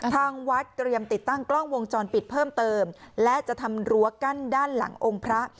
ทางวัดเตรียมติดตั้งกล้องวงจรปิดเพิ่มเติมและจะทำรั้วกั้นด้านหลังองค์พระ